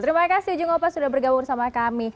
terima kasih ujung opa sudah bergabung sama kami